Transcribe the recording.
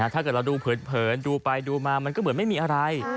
ถ้าเกิดเราดูเผินดูไปดูมามันก็เหมือนไม่มีอะไร